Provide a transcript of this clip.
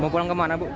mau pulang ke mana bu